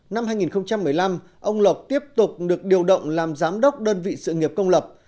năm hai nghìn một mươi năm ông lộc tiếp tục được điều động làm giám đốc đơn vị sự nghiệp công lập